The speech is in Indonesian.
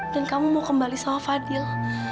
dan kamu mau kembali sama fadil